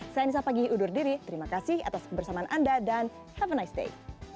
saya nisa pagi udur diri terima kasih atas kebersamaan anda dan have a nice day